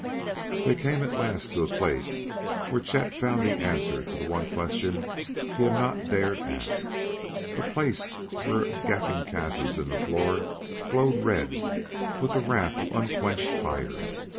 They came at last to a place where Chet found the answer to one question he had not dared ask; a place where gaping chasms in the floor glowed red with the wrath of unquenched fires.